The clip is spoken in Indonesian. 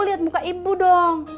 liat muka ibu dong